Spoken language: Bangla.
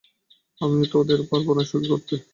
আমিও তো ওদের পারব না সুখী করতে।